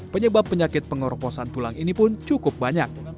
penyebab penyakit pengorposan tulang ini pun cukup banyak